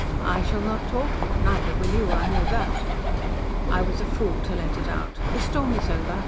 I shall not talk neither will you. I know that. I was a fool to let it out. The storm is over.